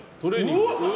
うわ！